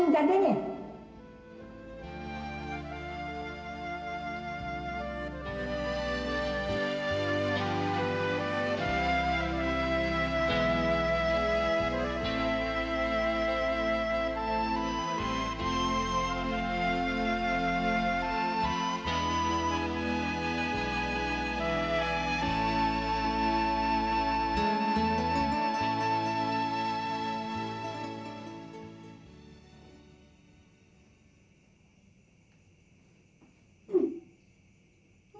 bapak masih pengen tidur